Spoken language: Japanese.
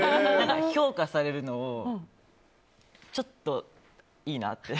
評価されるのをちょっといいなって。